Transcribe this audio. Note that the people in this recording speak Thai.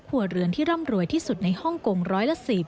หัวเรือนที่ร่ำรวยที่สุดในฮ่องกงร้อยละ๑๐